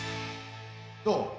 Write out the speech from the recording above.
どう？